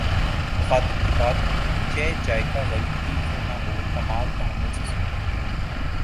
مخاطب کی بات چہ جائیکہ غلط ہی کیوں نہ ہوکمال تحمل سے سنتے ہیں